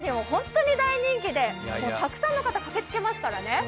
コレクターたちにも本当に大人気でたくさんの方が駆けつけますからね。